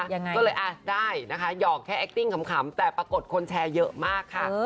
ยังไงก็เลยอ่ะได้นะคะหยอกแค่แอคติ้งขำแต่ปรากฏคนแชร์เยอะมากค่ะ